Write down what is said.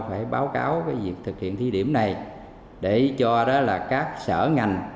phải báo cáo việc thực hiện thí điểm này để cho các sở ngành